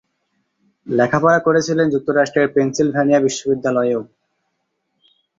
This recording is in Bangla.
লেখাপড়া করেছিলেন যুক্তরাষ্ট্রের পেনসিলভানিয়া বিশ্ববিদ্যালয়েও।